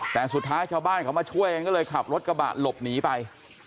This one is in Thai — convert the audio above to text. แต่สุดท้ายชาวบ้านเขามาช่วยกันก็เลยขับรถกระบะหลบหนีไป